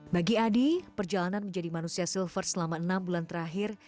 bagi adi perjalanan menjadi manusia silver selama enam bulan terakhir